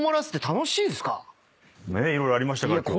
色々ありましたから今日は。